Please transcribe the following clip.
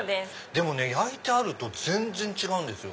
でもね焼いてあると全然違うんですよ